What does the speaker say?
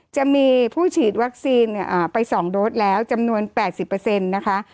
จะมีผู้ฉีดวัคซีนไป๒โดสแล้วจำนวน๘๐นะคะ